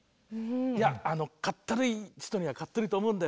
いやかったるい人にはかったるいと思うんだよ。